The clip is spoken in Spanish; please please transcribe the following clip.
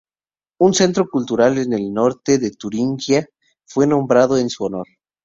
Un centro cultural en el norte de Turingia fue nombrado en su honor.